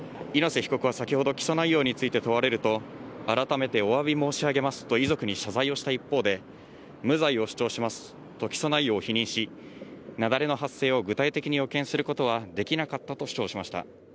猪瀬被告は先ほど、起訴内容について問われると、改めておわび申し上げますと遺族に謝罪をした一方で、無罪を主張しますと起訴内容を否認し、雪崩の発生を具体的に予見することはできなかったと主張しました。